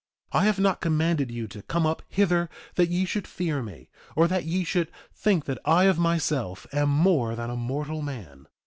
2:10 I have not commanded you to come up hither that ye should fear me, or that ye should think that I of myself am more than a mortal man.